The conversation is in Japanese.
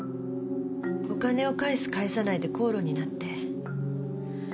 お金を返す返さないで口論になって。